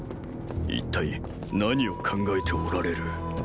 一体何を考えておられる。